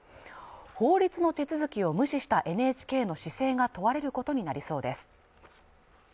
法律の手続きを無視したＮＨＫの姿勢が問われることになりそうです。